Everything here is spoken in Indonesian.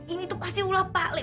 ini pasti ulah pak lek